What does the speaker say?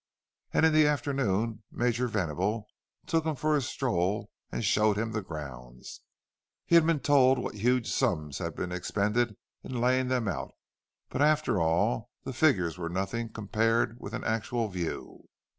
And in the afternoon Major Venable took him for a stroll and showed him the grounds. He had been told what huge sums had been expended in laying them out; but after all, the figures were nothing compared with an actual view.